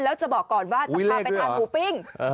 แล้วจะบอกก่อนว่าจะพาไปทานหมูปิ้ง